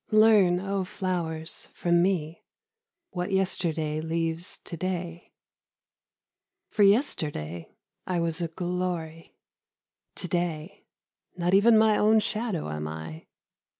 LEARN oh flowers from me What yesterday leaves to day ; For yesterday I was a glory, To day not even my own shadow am I.